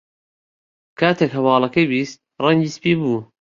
کاتێک هەواڵەکەی بیست، ڕەنگی سپی بوو.